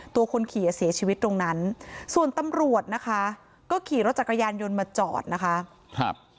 คนขี่เสียชีวิตตรงนั้นส่วนตำรวจนะคะก็ขี่รถจักรยานยนต์มาจอดนะคะครับ